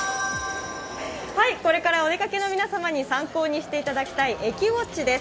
これからお出かけの皆様に参考にしていただきたい「駅ウォッチ」です。